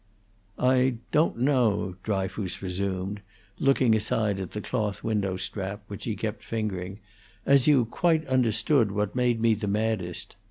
"I don't know," Dryfoos resumed, looking aside at the cloth window strap, which he kept fingering, "as you quite understood what made me the maddest.